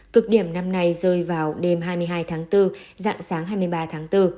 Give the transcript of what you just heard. cực điểm năm nay rơi vào đêm hai mươi hai tháng bốn dạng sáng hai mươi ba